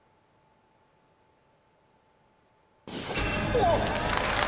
おっ！